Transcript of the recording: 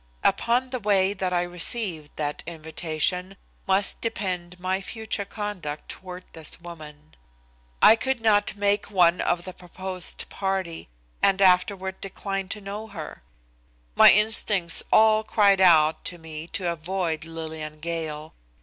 Upon the way that I received that invitation must depend my future conduct toward this woman. I could not make one of the proposed party and afterward decline to know her. My instincts all cried out to me to avoid Lillian Gale.